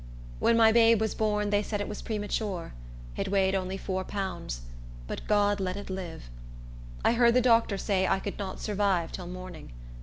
When my babe was born, they said it was premature. It weighed only four pounds; but God let it live. I heard the doctor say I could not survive till morning.